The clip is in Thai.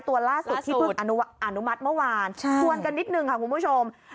ตัวล่าสุดที่เพิ่งอนุมัติเมื่อวานชวนกันนิดนึงค่ะคุณผู้ชม